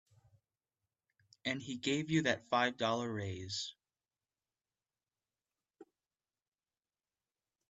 And he gave you that five dollar raise.